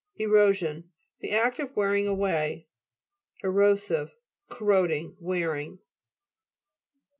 ERO'SION The act of wearing away. ERO'SIVE Corroding, wearing.